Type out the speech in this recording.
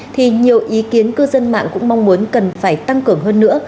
thì nhiều ý kiến cư dân mạng cũng mong muốn cần phải tăng cường hơn nữa